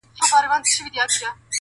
ژوند د درسونو مجموعه ده تل,